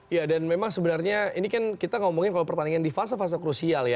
ya dan memang sebenarnya ini kan kita ngomongin kalau pertandingan di fase fase krusial ya